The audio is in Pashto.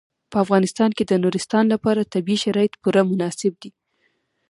په افغانستان کې د نورستان لپاره طبیعي شرایط پوره مناسب دي.